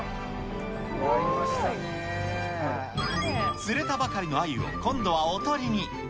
釣れたばかりのあゆを今度はおとりに。